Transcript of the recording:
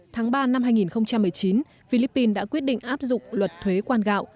tháng ba năm hai nghìn một mươi chín philippines đã quyết định áp dụng luật thuế quan gạo